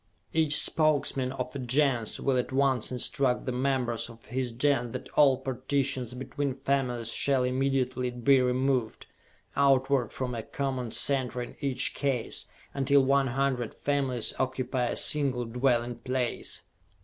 Each Spokesman of a Gens will at once instruct the members of his Gens that all partitions between families shall immediately be removed, outward from a common center in each case, until one hundred families occupy a single dwelling place.